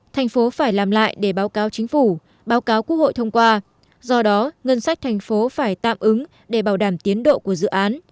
thành phố phải làm lại để báo cáo chính phủ báo cáo quốc hội thông qua do đó ngân sách thành phố phải tạm ứng để bảo đảm tiến độ của dự án